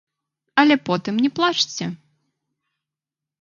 Але потым не плачце.